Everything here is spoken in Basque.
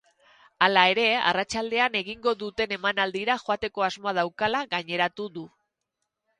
Hala ere, arratsaldean egingo duten emanaldira joateko asmoa daukala gaineratu du.